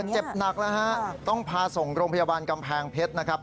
เจ็บหนักแล้วฮะต้องพาส่งโรงพยาบาลกำแพงเพชรนะครับ